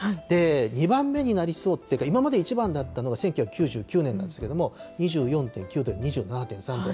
２番目になりそうっていうか、今まで一番だったのが１９９９年なんですけれども、２４．９度、２７．３度。